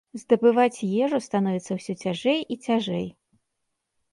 Здабываць ежу становіцца ўсё цяжэй і цяжэй.